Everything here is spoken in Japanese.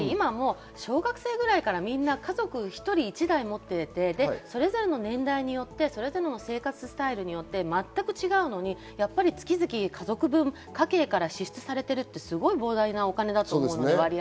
小学生ぐらいからみんな家族１人１台持っていてそれぞれの年代でそれぞれの生活スタイルで全く違うのに月々家族分、家計から支出されるのは膨大なお金です。